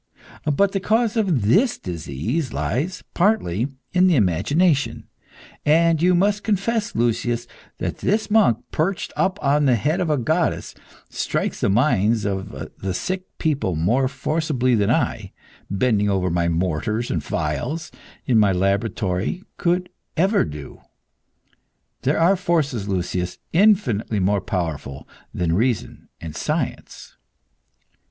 But the cause of this disease lies, partly, in the imagination, and you must confess, Lucius, that this monk, perched up on the head of a goddess, strikes the minds of the sick people more forcibly than I, bending over my mortars and phials in my laboratory, could ever do. There are forces, Lucius, infinitely more powerful than reason and science."